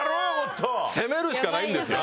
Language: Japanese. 攻めるしかないんですよ。